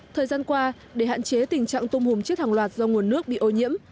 thời gian qua để hạn chế tình trạng tôm hùm chết hàng loạt do nguồn nước bị ô nhiễm